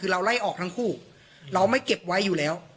เราร่ายออกทั้งคู่แล้วเราไม่เก็บไว้อยู่แล้ว